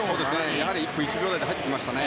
やはり１分１秒台で入りましたね。